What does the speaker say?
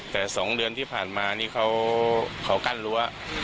แต่๒เดือนที่ผ่านมานี่เขากั้นรั้ว